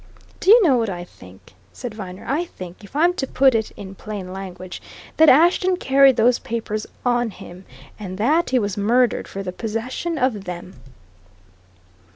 "Do you know what I think?" said Viner. "I think if I'm to put it in plain language that Ashton carried those papers on him, and that he was murdered for the possession of them!"